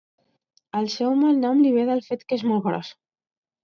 El seu malnom li ve del fet que és molt gros.